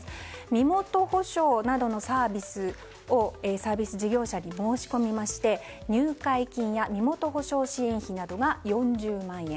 身元保証などのサービスをサービス事業者に申し込みまして入会金や身元保証支援費などが４０万円。